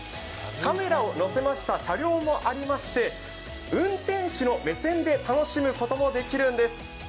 カメラを載せた車両もありまして運転手の目線で楽しむこともできるんです。